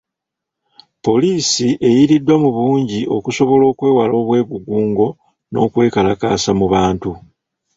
Poliisi eyiriddwa mu bungi okusobola okwewala obwegugungo n'okwekalakaasa mu bantu.